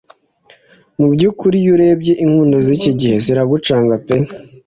Mu byukuri iyo urebye inkundo ziki gihe ziragucanga pe